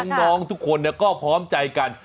น้องทุกคนก็พร้อมใจกัน